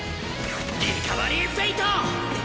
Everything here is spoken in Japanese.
リカバリー・フェイト！